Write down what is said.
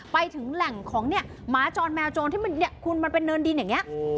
ไปถึงแหล่งของเนี่ยหมาจรแมวโจรที่คุณมันเป็นเนินดินอย่างนี้